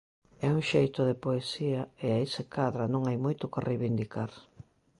É un xeito de poesía e aí se cadra non hai moito que reivindicar.